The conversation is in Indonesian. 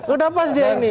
udah pas dia ini